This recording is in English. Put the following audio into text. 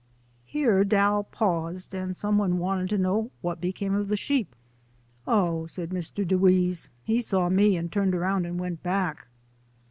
Here Dall paused and someone wanted to know what became of the sheep. "Oh," said Mr. DeWees, "he saw me and turned around and went back."